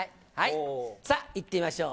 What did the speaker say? さあ、いってみましょう。